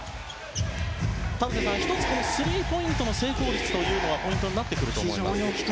田臥さん、１つスリーポイントの成功率がポイントになってくるでしょうか。